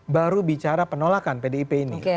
baru bicara penolakan pdip ini